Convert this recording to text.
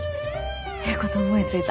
ええこと思いついた。